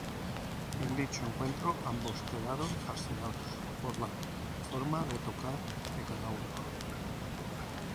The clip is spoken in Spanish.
En dicho encuentro, ambos quedaron fascinados por la forma de tocar de cada uno.